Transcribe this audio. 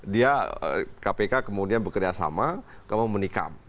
dia kpk kemudian bekerjasama kamu menikam